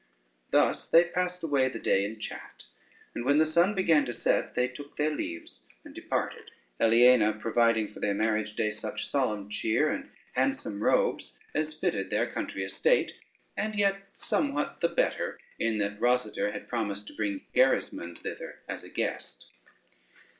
Thus they passed away the day in chat, and when the sun began to set they took their leaves and departed; Aliena providing for their marriage day such solemn cheer and handsome robes as fitted their country estate, and yet somewhat the better, in that Rosader had promised to bring Gerismond thither as a guest.